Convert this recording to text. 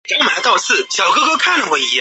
东香川市是位于日本香川县东部的城市。